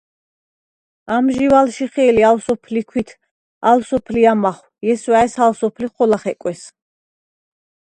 ამჟი̄ვ ალშიხე̄ლი ალ სოფლი ქვით, ალ სოფლი ამახვ, ჲესვა̄̈ჲს ალ სოფლი ხოლა ხეკვეს!